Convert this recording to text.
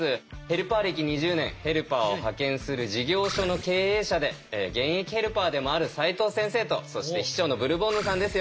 ヘルパー歴２０年ヘルパーを派遣する事業所の経営者で現役ヘルパーでもある齋藤先生とそして秘書のブルボンヌさんです。